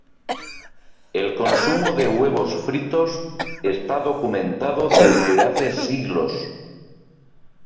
El consumo de huevos fritos está documentado desde hace siglos.